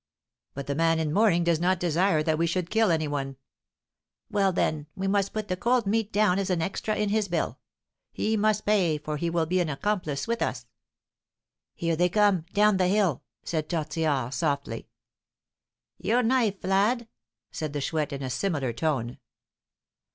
"But the man in mourning does not desire that we should kill any one." "Well, then, we must put the cold meat down as an extra in his bill. He must pay, for he will be an accomplice with us." "Here they come down the hill," said Tortillard, softly. "Your knife, lad!" said the Chouette, in a similar tone.